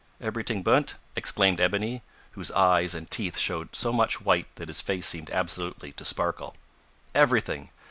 "Eberyting bu'nt?" exclaimed Ebony, whose eyes and teeth showed so much white that his face seemed absolutely to sparkle. "Everything.